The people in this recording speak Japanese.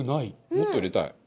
もっと入れたい。